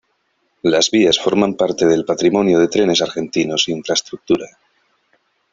Las vías forman parte del patrimonio de Trenes Argentinos Infraestructura.